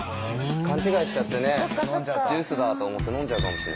勘違いしちゃってねジュースだと思って飲んじゃうかもしれない。